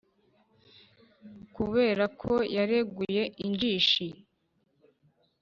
Kubera ko yareguye injishi